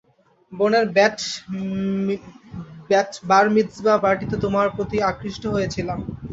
বোনের bat mitzvah পার্টিতে তোমার প্রতি আকৃষ্ট হয়েছিলাম।